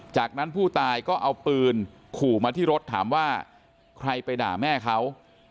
จากนั้นผู้ตายก็เอาปืนขู่มาที่รถถามว่าใครไปด่าแม่เขา